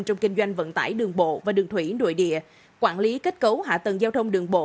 trong kinh doanh vận tải đường bộ và đường thủy nội địa quản lý kết cấu hạ tầng giao thông đường bộ